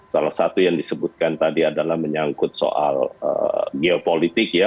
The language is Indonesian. salah satu yang disebutkan tadi adalah menyangkut soal geopolitik ya